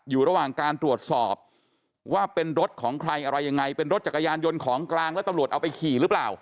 อยู่ระหว่างการตรวจสอบว่าเป็นรถของใครอะไรยังไงเป็นรถจักรยานยนต์ของกลางแล้วตำรวจเอาไปขี่หรือเปล่า